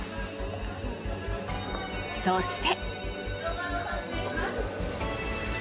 そして。